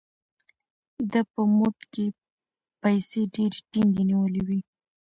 ده په موټ کې پیسې ډېرې ټینګې نیولې وې.